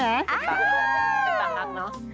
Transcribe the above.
เป็นต่างหากเนอะ